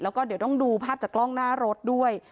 แล้วก็เดี๋ยวต้องดูภาพจากกล้องหน้ารถด้วย